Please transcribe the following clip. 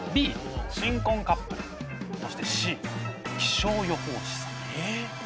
「Ｂ新婚カップル」そして「Ｃ気象予報士さん」。